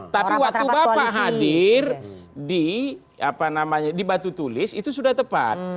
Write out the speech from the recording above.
tapi waktu bapak hadir di batu tulis itu sudah tepat